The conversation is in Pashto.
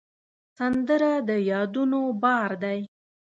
سندره د یادونو بار دی